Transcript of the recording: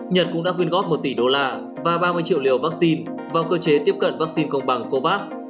nhật cũng đã quyên góp một tỷ đô la và ba mươi triệu liều vaccine vào cơ chế tiếp cận vaccine công bằng cobass